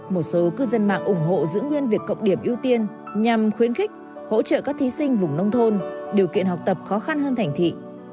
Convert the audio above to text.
một số cư dân mạng ủng hộ giữ nguyên việc cộng điểm ưu tiên nhằm khuyến khích hỗ trợ các thí sinh vùng nông thôn điều kiện học tập khó khăn hơn thành thị